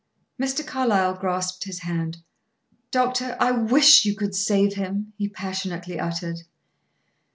Mr. Carlyle grasped his hand. "Doctor, I wish you could save him!" he passionately uttered.